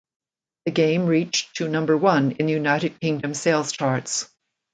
The game reached to number one in the United Kingdom sales charts.